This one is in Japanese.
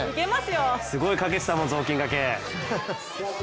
すごいかけてたもん、雑巾がけ。